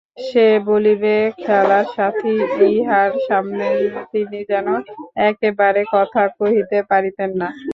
কে বলিবে খেলার সাথি, ইঁহার সামনে তিনি যেন একেবারে কথা কহিতে পারিতেন না।